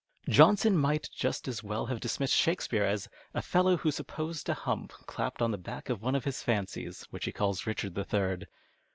Johnson might just as well have dismissed Shakespeare as a " fellow who supposed a hump clapped on the back of one of his fancies, which he calls Richard the Third."